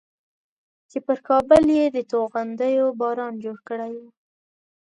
چې پر کابل یې د توغندیو باران جوړ کړی و.